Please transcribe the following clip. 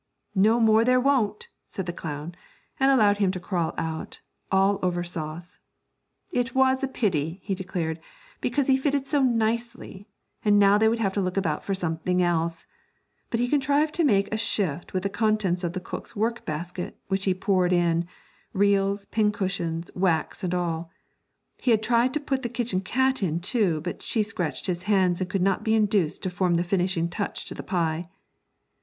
'No more there won't,' said the clown, and allowed him to crawl out, all over sauce. 'It was a pity,' he declared, 'because he fitted so nicely, and now they would have to look about for something else;' but he contrived to make a shift with the contents of the cook's work basket, which he poured in reels, pin cushions, wax, and all. He had tried to put the kitchen cat in too, but she scratched his hands and could not be induced to form the finishing touch to the pie.